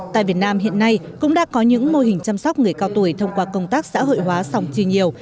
tại việt nam hiện nay cũng đã có những mô hình chăm sóc người cao tuổi thông qua công tác xã hội hóa sòng chi nhiều